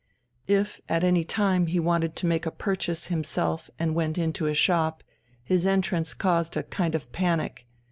If at any time he wanted to make a purchase himself and went into a shop, his entrance caused a kind of panic.